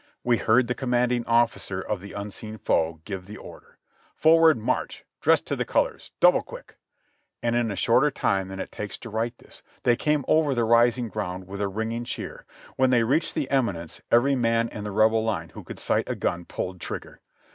We heard the commanding officer of the unseen foe give the order "Forward, march ! Dress to the colors ! Double quick !" and in a shorter time than it takes to write this, they came over the rising ground with a ringing cheer; when they reached the eminence every man in the Rebel line who could sight a gun pulled trigger.